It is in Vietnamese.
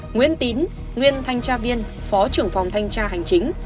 nguyễn tín nguyên thanh cha viên phó trưởng phòng thanh cha hành chính